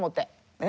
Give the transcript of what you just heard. えっ？